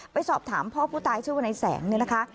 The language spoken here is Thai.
ไปสอบถามพ่อผู้ตายชื่อวนายแสงเนี่ยนะคะ